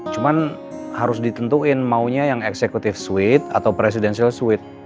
cuma harus ditentuin maunya yang executive suite atau presidential suite